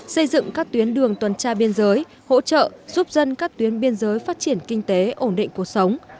xây dựng các tuyến đường tuần tra biên giới hỗ trợ giúp dân các tuyến biên giới phát triển kinh tế ổn định cuộc sống